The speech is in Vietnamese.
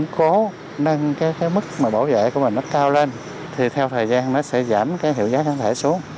cố nâng cái mức mà bảo vệ của mình nó cao lên thì theo thời gian nó sẽ giảm cái hiệu giá kháng thể xuống